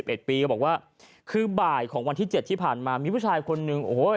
เขาบอกว่าคือบ่ายของวันที่๗ที่ผ่านมามีผู้ชายคนนึง